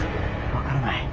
分からない。